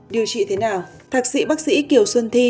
điều trị thế nào thạc sĩ bác sĩ kiều xuân thi